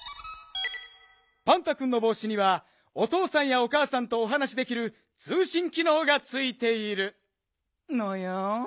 パンタくんのぼうしにはおとうさんやおかあさんとおはなしできるつうしんきのうがついているのよん。